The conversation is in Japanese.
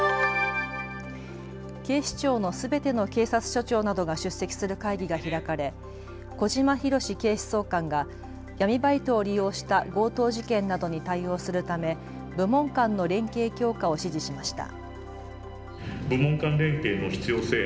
警視庁のすべての警察署長などが出席する会議が開かれ小島裕史警視総監が闇バイトを利用した強盗事件などに対応するため部門間の連携強化を指示しました。